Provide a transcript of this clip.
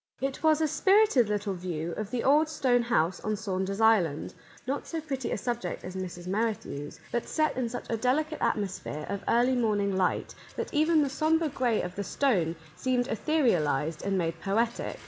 It was a spirited little view of the old stone house on Saunder's Island ; not so pretty a subject as Mrs. Merrithew's, but set in such a delicate atmosphere of early morning light that even the sombre gray of the stone seemed etherialized and made poetic.